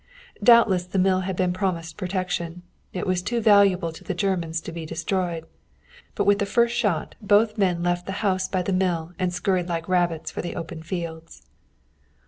Doubtless the mill had been promised protection. It was too valuable to the Germans to be destroyed. But with the first shot both men left the house by the mill and scurried like rabbits for the open fields.